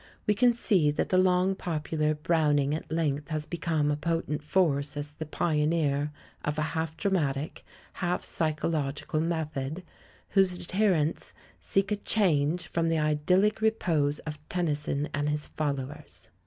We can see that the long popular Browning at length has become a potent force as the pioneer of a half dramatic, half psychological method, whose adherents seek a change from the idyllic repose of Tennyson and his followers.